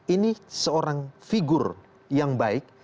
ini seorang figur yang baik